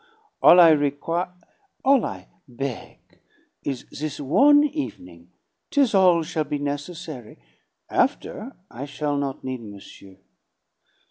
All I requi All I beg is this one evening. 'Tis all shall be necessary. After, I shall not need monsieur.